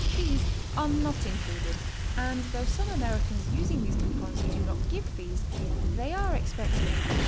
Fees are not included, and though some Americans using these coupons do not give fees, they are expected.